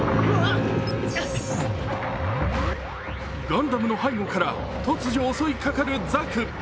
ガンダムの背後から突如襲いかかるザク。